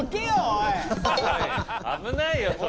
危ないよ。